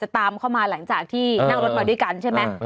ตามเข้ามาหลังจากที่นั่งรถมาด้วยกันใช่ไหม